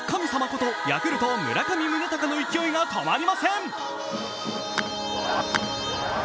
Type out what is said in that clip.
ことヤクルト・村上宗隆の勢いが止まりません。